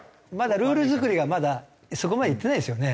ルール作りがまだそこまでいってないんですよね。